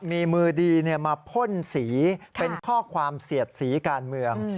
มีมือดีมาพ่นสีเป็นข้อความเสียดสีการเมือง